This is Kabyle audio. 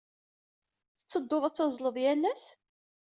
Tetteddud ad tazzled yal ass?